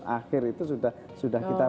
akhir itu sudah kita